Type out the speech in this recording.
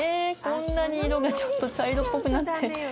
こんなに色がちょっと茶色っぽくなって。